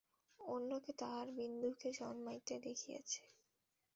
অনেকে তাহারা বিন্দুকে জন্মাইতে দেখিয়াছে।